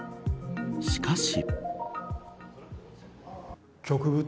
しかし。